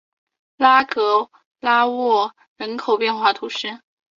拉格拉沃人口变化图示